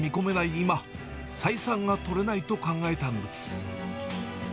今、採算が取れないと考えたんです。